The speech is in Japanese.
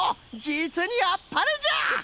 じつにあっぱれじゃ！